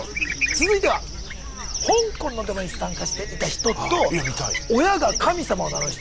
続いては「香港のデモに参加していた人」と「親が“神様”を名乗る人」。